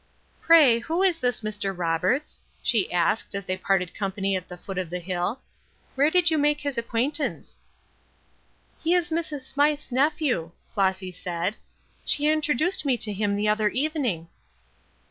"Pray, who is this Mr. Roberts?" she asked, as they parted company at the foot of the hill. "Where did you make his acquaintance?" "He is Mrs. Smythe's nephew," Flossy said. "She introduced me to him the other evening."